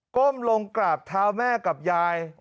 ้มลงกราบเท้าแม่กับยาย